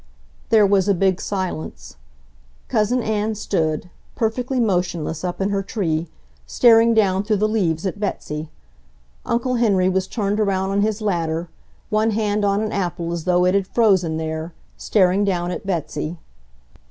There was a big silence; Cousin Ann stood, perfectly motionless up in her tree, staring down through the leaves at Betsy. Uncle Henry was turned around on his ladder, one hand on an apple as though it had frozen there, staring down at Betsy.